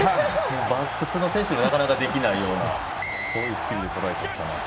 バックスの選手でもなかなかできないようなすごいスキルでとらえていったなと。